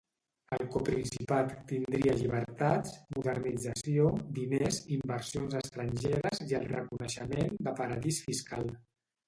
El coprincipat tindria llibertats, modernització, diners, inversions estrangeres i el reconeixement de paradís fiscal.